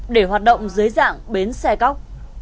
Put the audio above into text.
để hoạt động dưới dạng bến xe cóc